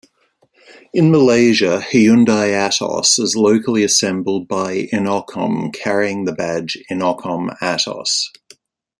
In Malaysia, Hyundai Atos is locally assembled by Inokom carrying the badge Inokom Atos.